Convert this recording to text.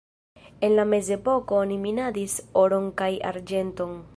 En la mezepoko oni minadis oron kaj arĝenton.